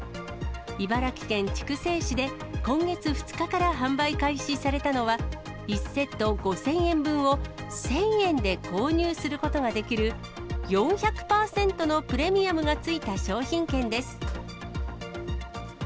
茨城県筑西市で今月２日から販売開始されたのは、１セット５０００円分を１０００円で購入することができる、４００％のプレミアムが付いた商品券です。